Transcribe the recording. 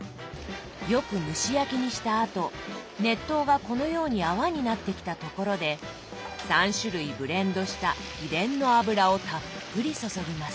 よく蒸し焼きにしたあと熱湯がこのように泡になってきたところで３種類ブレンドした秘伝の油をたっぷり注ぎます。